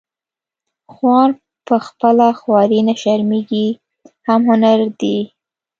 خوار په خپله خواري نه شرمیږي هم هنري دی